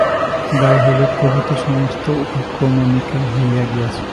গায়ে-হলুদ প্রভৃতি সমস্ত উপক্রমণিকা হইয়া গিয়াছে।